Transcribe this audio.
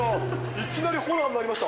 いきなりホラーになりました。